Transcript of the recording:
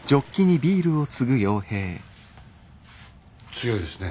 強いですね。